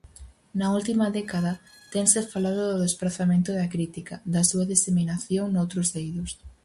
Na última década tense falado do desprazamento da crítica, da súa diseminación noutros eidos.